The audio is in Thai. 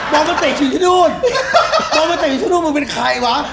มึงเป็นใครวะ